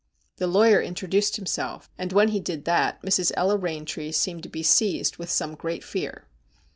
The lawyer introduced himself, and when he did that Mrs. Ella Eaintree seemed to be seized with some great fear.